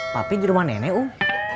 papi di rumah nenek um